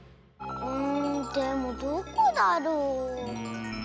んでもどこだろう？